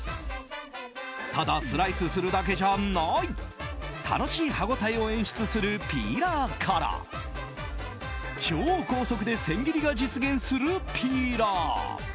ただ、スライスするだけじゃない楽しい歯応えを演出するピーラーから超高速で千切りが実現するピーラー。